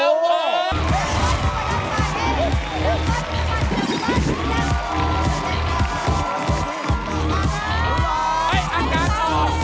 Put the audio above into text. ว้าว